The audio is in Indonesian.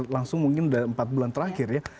langsung mungkin empat bulan terakhir ya